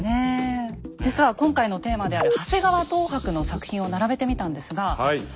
実は今回のテーマである長谷川等伯の作品を並べてみたんですが戦国時代ね。